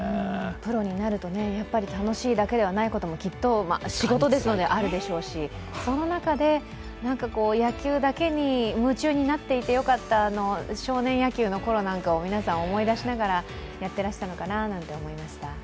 プロになると楽しいだけではないこともきっと、仕事ですのであるでしょうし、その中で野球だけに夢中になっていてよかった少年野球のころなんかを皆さん思い出しながらやっていらしたのかななんて思いました。